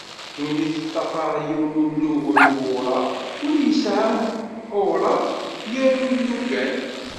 Ddunit teṭṭafar yiwen ulugen n wuṛeɣ: win yesεan uṛeɣ, yaru ilugan.